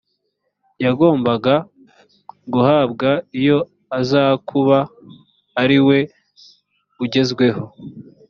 yagombaga guhabwa iyo azakuba ari we ugezweho